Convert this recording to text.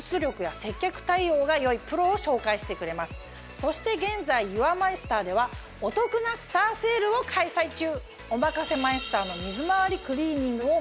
そして現在ユアマイスターではお得なスターセールを開催中！